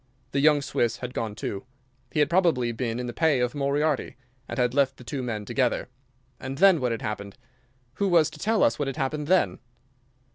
The young Swiss had gone too. He had probably been in the pay of Moriarty, and had left the two men together. And then what had happened? Who was to tell us what had happened then?